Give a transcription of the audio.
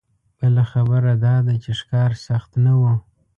بله خبره دا ده چې ښکار سخت نه و.